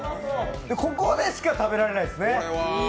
ここでしか食べられないんですね。